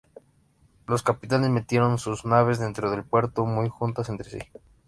Los capitanes metieron sus naves dentro del puerto muy juntas entre sí.